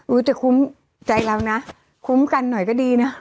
จะคุ้มใจเรานะคุ้มกันหน่อยก็ดีนะ